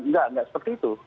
tidak tidak seperti itu